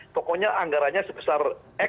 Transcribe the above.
pokoknya anggaranya sebesar